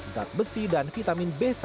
zat besi dan vitamin b satu